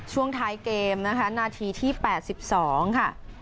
ช่วงท้ายเกมนะคะนาทีที่แปดสิบสองค่ะ